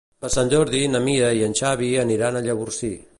Per Sant Jordi na Mira i en Xavi aniran a Llavorsí.